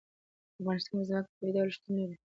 په افغانستان کې ځمکه په طبیعي ډول شتون لري.